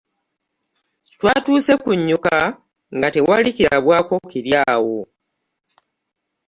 Twatuuse kunnyuka nga tewali kirabwako kiri awo.